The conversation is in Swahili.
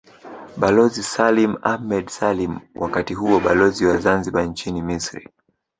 Balozi Salim Ahmed Salim wakati huo Balozi wa Zanzibar nchini Misri